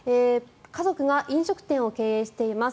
家族が飲食店を経営しています。